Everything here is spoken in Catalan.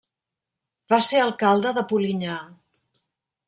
Va ser alcalde de Polinyà.